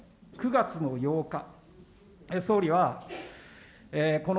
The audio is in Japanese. ９月の８日。